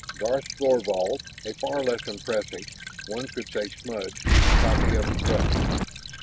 Garth Thorvald, a far less impressive one could say "smudged" copy of his brother.